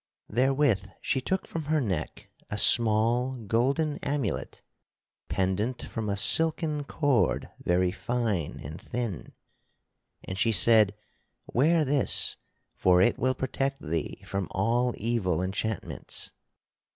Therewith she took from her neck a small golden amulet pendant from a silken cord very fine and thin. And she said: "Wear this for it will protect thee from all evil enchantments."